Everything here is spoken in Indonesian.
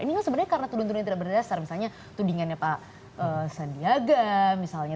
ini kan sebenarnya karena tuduhan tuduhan tidak berdasar misalnya tudingannya pak sandiaga misalnya